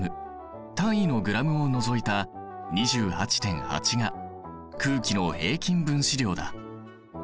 単位のｇを除いた２８．８が空気の平均分子量だ。